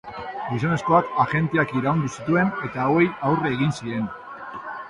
Gizonezkoak agenteak iraindu zituen eta hauei aurre egin zien.